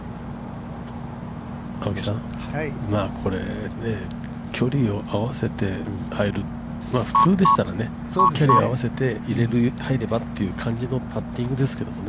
◆青木さん、今これ距離を合わせて入る、普通でしたら、距離を合わせて入ればという感じのパッティングですけれどもね。